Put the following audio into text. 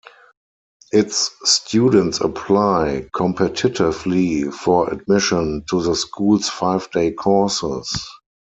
Its students apply competitively for admission to the school's five-day courses.